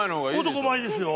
男前ですよ。